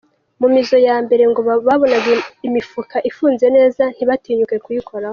Mu mizo ya mbere ngo babonaga imifuka ifunze neza ntibatinyuke kuyikoraho.